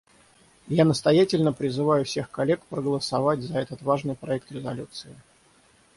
Я настоятельно призываю всех коллег проголосовать за этот важный проект резолюции.